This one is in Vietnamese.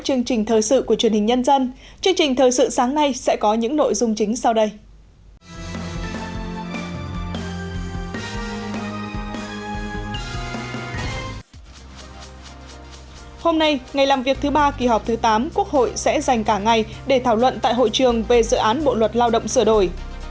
hôm nay ngày làm việc thứ ba kỳ họp thứ tám quốc hội sẽ dành cả ngày để thảo luận tại hội trường về dự án bộ luật lao động sửa đổi